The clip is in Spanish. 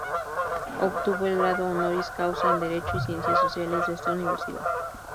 Obtuvo el grado "honoris causa" en Derecho y Ciencias Sociales de esta Universidad.